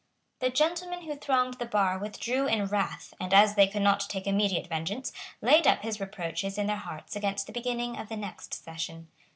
The gentlemen who thronged the bar withdrew in wrath, and, as they could not take immediate vengeance, laid up his reproaches in their hearts against the beginning of the next session.